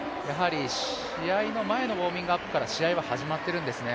試合の前のウォーミングアップから試合は始まっているんですね。